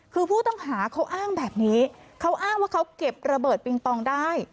คือผู้ต้องหาเขาอ้างแบบนี้เขาอ้างว่าเขาเก็บระเบิดปิงปองได้